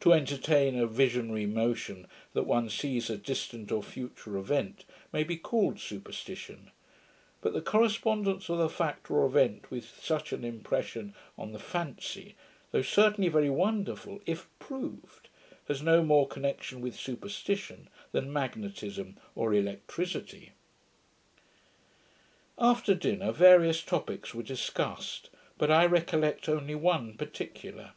To entertain a visionary notion that one sees a distant or future event, may be called superstition; but the correspondence of the fact or event with such an impression on the fancy, though certainly very wonderful, IF PROVED, has no more connection with superstition, than magnetism or electricity. After dinner, various topicks were discussed; but I recollect only one particular.